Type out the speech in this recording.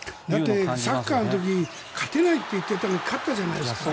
だってサッカーの時勝てないと言ってたけど勝ったじゃないですか。